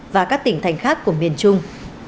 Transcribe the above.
và các tỉnh thành khác của miền trung